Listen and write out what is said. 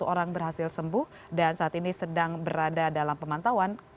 dua puluh orang berhasil sembuh dan saat ini sedang berada dalam pemantauan